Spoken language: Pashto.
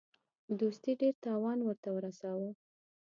دوستي ډېر تاوان ورته ورساوه.